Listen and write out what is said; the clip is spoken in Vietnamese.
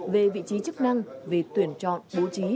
về vị trí chức năng về tuyển chọn bố trí